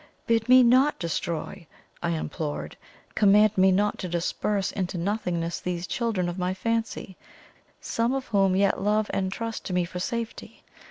"Bid me not destroy!" I implored. "Command me not to disperse into nothingness these children of my fancy, some of whom yet love and trust to me for safety.